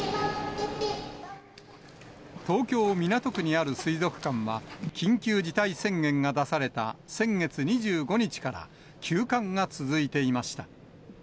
東京・港区にある水族館は、緊急事態宣言が出された先月２５日から休館が続いていました。